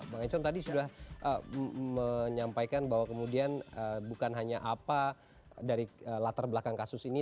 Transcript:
bang econ tadi sudah menyampaikan bahwa kemudian bukan hanya apa dari latar belakang kasus ini